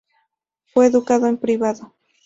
Fue educado en privado.